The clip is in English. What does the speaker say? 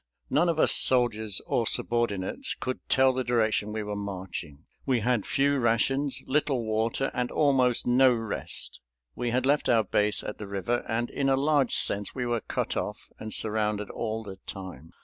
None of us soldiers or subordinates could tell the direction we were marching. We had few rations, little water, and almost no rest. We had left our base at the river, and in a large sense we were cut off and surrounded all the time.